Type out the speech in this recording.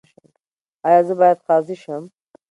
ایا زه باید قاضي شم؟